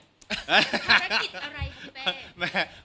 ภารกิจอะไรครับแป๊บ